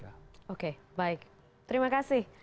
oke baik terima kasih